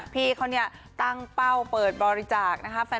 พี่เขาเนี่ยตั้งเป้าเปิดบริจาคนะคะ